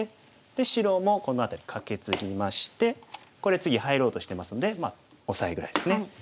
で白もこの辺りカケツギましてこれ次入ろうとしてますのでオサエぐらいですね。